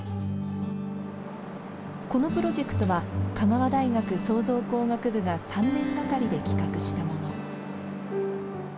このプロジェクトは、香川大学創造工学部が３年がかりで企画したもの。